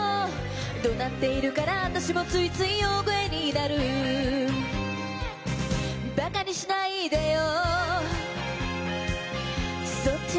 「怒鳴っているから私もついつい大声になる」「馬鹿にしないでよそっちのせいよ」